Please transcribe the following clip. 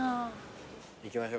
行きましょう。